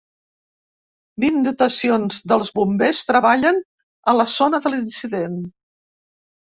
Vint dotacions dels bombers treballen a la zona de l’incident.